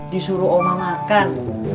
disuruh omah makan